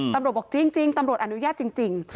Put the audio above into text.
ตำรวจบอกจริงตำรวจอนุญาตจริง